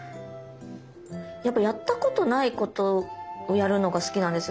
やっぱやったことないことをやるのが好きなんですよ